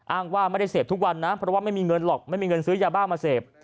อ้างว่าไม่ได้เสพทุกวันนะเพราะว่าไม่มีเงินหรอกไม่มีเงินซื้อยาบ้ามาเสพ